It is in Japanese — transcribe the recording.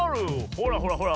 ほらほらほら。